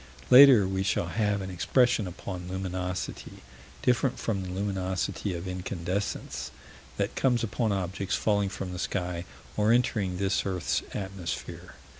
Later we shall have an expression upon luminosity different from the luminosity of incandescence that comes upon objects falling from the sky, or entering this earth's atmosphere.